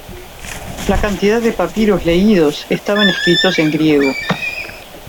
La cantidad de papiros leídos estaban escritos en griego